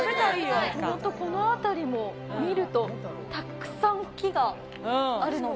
本当、この辺り、見るとたくさん木があるので。